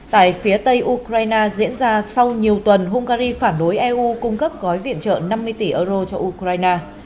tại phía tây ukraine diễn ra sau nhiều tuần hungary phản đối eu cung cấp gói viện trợ năm mươi tỷ euro cho ukraine